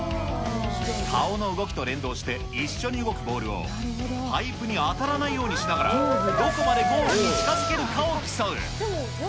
顔の動きと連動して、一緒に動くボールをパイプに当たらないようにしながら、どこまでゴールに近づけるかを競う。